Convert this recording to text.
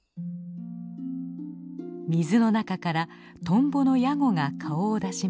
水の中からトンボのヤゴが顔を出しました。